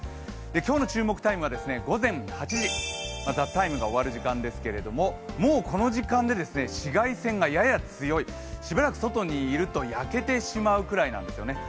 今日の注目タイムは午前８時、「ＴＨＥＴＩＭＥ，」が終わる時間ですがもうこの時間で紫外線がやや強いしばらく外にいると焼けてしまうくらいなんですよね。